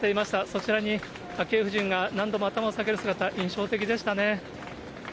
そちらに昭恵夫人が何度も頭を下げる姿、印象的でしたね。